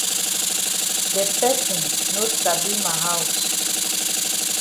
De person no sabi ma haus.